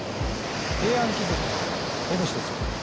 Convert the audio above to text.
平安貴族の烏帽子ですよね？